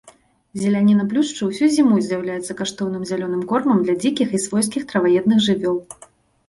Зеляніна плюшчу ўсю зіму з'яўляецца каштоўным зялёным кормам для дзікіх і свойскіх траваедных жывёл.